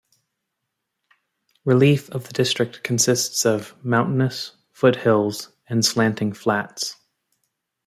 Relief of the district consists of mountainous, foothills and slanting flats.